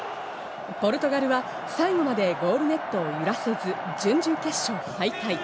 ポルトガルは最後までゴールネットを揺らせず準々決勝敗退。